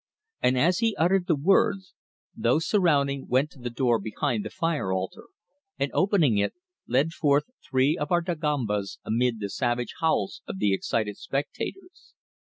And as he uttered the words, those surrounding went to the door behind the fire altar, and opening it, led forth three of our Dagombas amid the savage howls of the excited spectators.